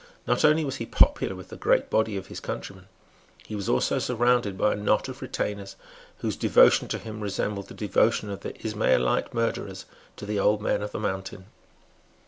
Not only was he popular with the great body of his countrymen; he was also surrounded by a knot of retainers whose devotion to him resembled the devotion of the Ismailite murderers to the Old Man of the Mountain.